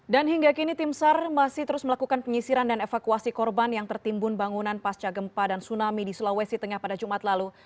dan hingga kini timsar masih terus melakukan penyisiran dan evakuasi korban yang tertimbun bangunan pasca gempa dan tsunami di sulawesi tengah pada jumat lalu